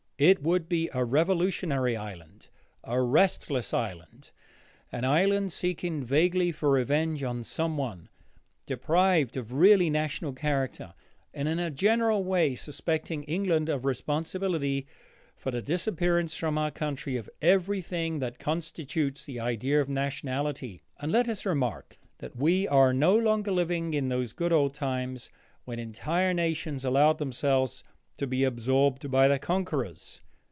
It would be a revolutionary Ireland, a restless Ireland, an Ireland seeking vaguely for revenge on someone, deprived of really national character, and, in a general way, suspecting England of responsibility for the disappearance from our country of everything that constitutes the idea of nationality. And let us remark that we are no longer living in those good old times when entire nations allowed themselves to be absorbed by their conquerors.